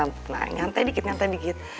nyantai dikit nyantai dikit